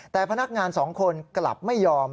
แต่พนักงาน๒คนกลับไม่ยอม